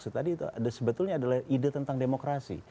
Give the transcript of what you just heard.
joko wisma yang anda maksud tadi itu sebetulnya adalah ide tentang demokrasi